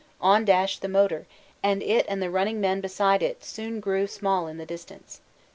On dashed the motor, and it and the running men beside it soon grew small in the distance.